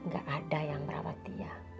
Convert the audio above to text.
gak ada yang merawat dia